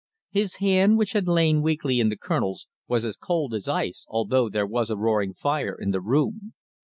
His hand, which had lain weakly in the Colonel's, was as cold as ice, although there was a roaring fire in the room.